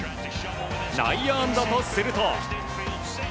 内野安打とすると。